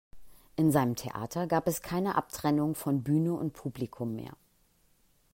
In seinem Theater gab es keine Abtrennung von Bühne und Publikum mehr.